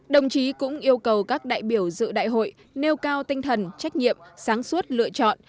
đồng chí cũng yêu cầu các đại biểu dự đại hội nêu cao tinh thần trách nhiệm sáng suốt lựa chọn